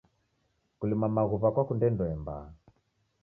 Kulima maghuw'a kwakunda ndoe mbaa.